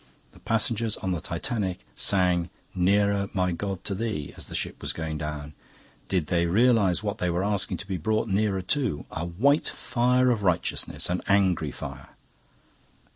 The passengers on the "Titanic" sang "Nearer my God to Thee" as the ship was going down. Did they realise what they were asking to be brought nearer to? A white fire of righteousness, an angry fire...